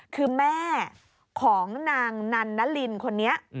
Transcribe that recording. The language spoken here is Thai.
คือแม่ของนางนันนลินคนนี้